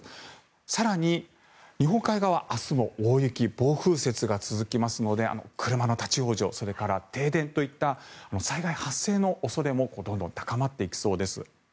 更に、日本海側は明日も大雪・暴風雪が続きますので車の立ち往生それから停電といった災害発生の恐れもどんどん高まっていきそうです。